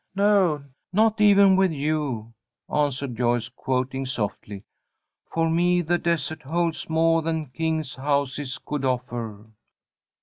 "No, not even with you," answered Joyce, quoting, softly, "For me the desert holds more than kings' houses could offer."